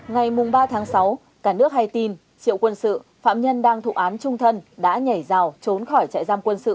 ngày ba tháng sáu cả nước hay tin triệu quân sự phạm nhân đang thụ án trung thân đã nhảy rào trốn khỏi trại giam quân sự